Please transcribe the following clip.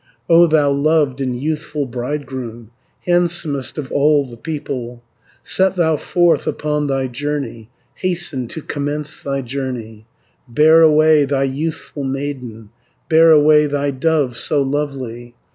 "O thou loved and youthful bridegroom, Handsomest of all the people, Set thou forth upon thy journey, Hasten to commence thy journey, Bear away thy youthful maiden, Bear away thy dove so lovely.